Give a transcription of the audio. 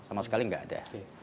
sama sekali tidak ada